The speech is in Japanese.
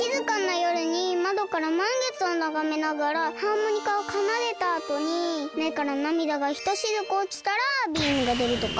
よるにまどからまんげつをながめながらハーモニカをかなでたあとにめからなみだがひとしずくおちたらビームがでるとか？